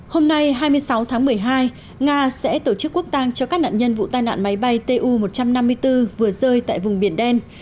hôm nay hai mươi sáu tháng một mươi hai nga sẽ tổ chức quốc tàng cho các nạn nhân vụ tai nạn máy bay tu một trăm năm mươi bốn vừa rơi tại vùng biển đen